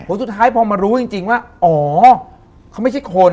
สุดท้ายพอมารู้จริงว่าอ๋อเขาไม่ใช่คน